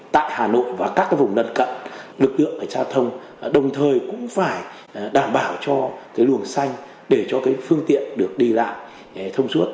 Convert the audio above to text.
tại hà nội và các cái vùng gần cận lực lượng cảnh sát giao thông đồng thời cũng phải đảm bảo cho cái luồng xanh để cho cái phương tiện được đi lại thông suốt